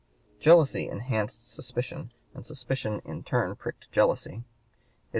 Jealousy enhanced suspicion, and suspicion in turn pricked jealousy. It is (p.